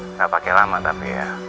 nggak pakai lama tapi ya